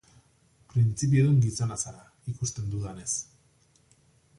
Printzipiodun gizona zara, ikusten dudanez.